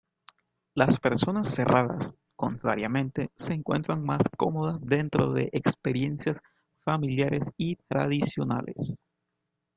Las personas cerradas, contrariamente, se encuentran más cómodas dentro de experiencias familiares y tradicionales.